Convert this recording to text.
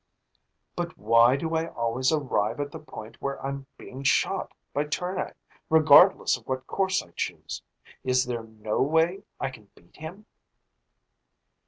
"But why do I always arrive at the point where I'm being shot by Tournay, regardless of what course I choose? Is there no way I can beat him?"